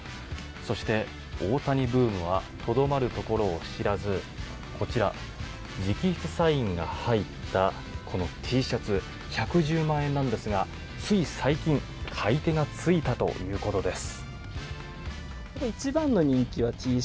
そして、大谷ブームはとどまるところを知らずこちら直筆サインが入ったＴシャツ１１０万円なんですがつい最近買い手がついたということです。